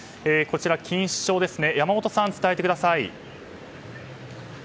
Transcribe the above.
錦糸町、山本さん伝えてください。